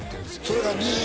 それが２匹？